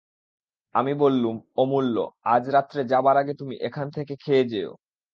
আমি বললুম, অমূল্য, আজ রাত্রে যাবার আগে তুমি এখান থেকে খেয়ে যেয়ো।